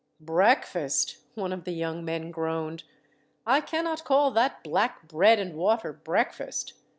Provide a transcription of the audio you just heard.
"Breakfast!" one of the young men groaned. "I cannot call that black bread and water breakfast.